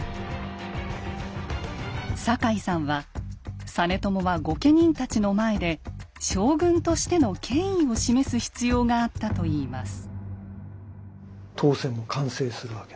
坂井さんは実朝は御家人たちの前で将軍としての権威を示す必要があったといいます。